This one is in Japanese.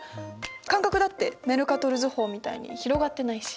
間隔だってメルカトル図法みたいに広がってないし。